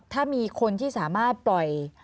ถ้ามีคนที่สามารถปล่อย